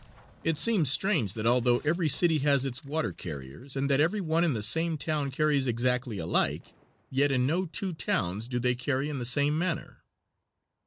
It seems strange that though every city has its water carriers and that every one in the same town carries exactly alike, yet in no two towns do they carry in the same manner.